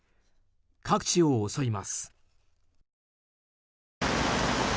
各地を襲います。